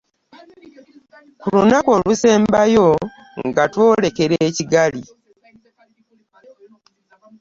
Ku lunaku olwasembayo nga, twayolekera e Kigali.